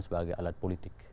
sebagai alat politik